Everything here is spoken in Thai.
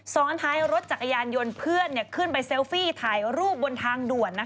ซ้อนท้ายรถจักรยานยนต์เพื่อนขึ้นไปเซลฟี่ถ่ายรูปบนทางด่วน